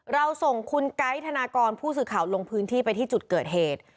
เราส่งคุณไกด์ธนากรผู้สื่อข่าวลงพื้นที่ไปที่จุดเกิดเหตุ